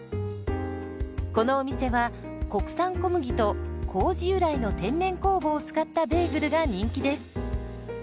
このお店は国産小麦と麹由来の天然酵母を使ったベーグルが人気です。